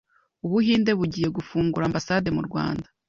ubuhinde bugiye gufungura ambasade mu Rwanda.